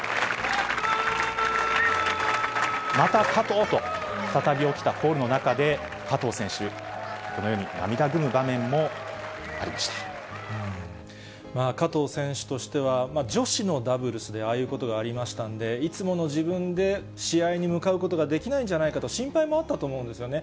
また加藤！と、再び起きたコールの中で、加藤選手、このように、加藤選手としては、女子のダブルスでああいうことがありましたんで、いつもの自分で試合に向かうことができないんじゃないかと心配もあったと思うんですよね。